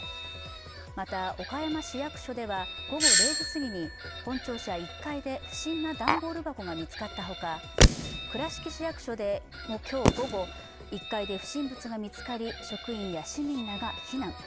また、岡山市役所では午後０時すぎに、本庁舎１階で不審な段ボール箱が見つかったほか、倉敷市役所でも今日午後１階で不審物が見つかり職員や市民らが避難。